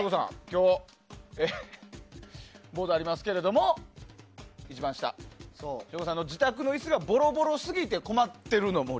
今日、ボードありますけども一番下の省吾さんの自宅の椅子がボロボロ過ぎて困ってるの森。